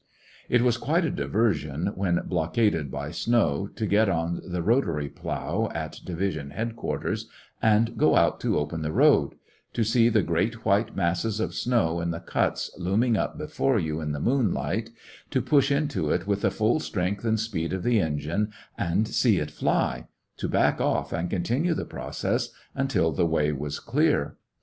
It was quite a diversion, when blockaded by Opening the snow, to get on the rotary plow at division headquarters and go out to open the road— to see the great white masses of snow in the cuts looming up before you in the moonlight ; to push into it with the full strength and speed of the engine, and see it fly ; to back off and con tinue the process until the way was clear.